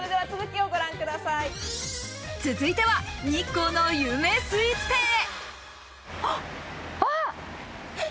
続いては、日光の有名スイーツ店へ。